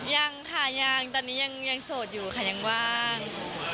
ยังค่ะยังตอนนี้ยังโสดอยู่ค่ะยังว่าง